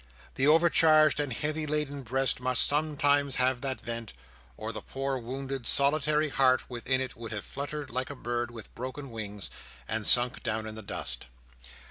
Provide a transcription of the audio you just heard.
The overcharged and heavy laden breast must some times have that vent, or the poor wounded solitary heart within it would have fluttered like a bird with broken wings, and sunk down in the dust.